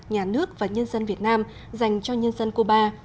nhà nước và nhân dân việt nam dành cho nhân dân cuba